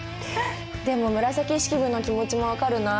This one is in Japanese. でも紫式部の気持ちも分かるな。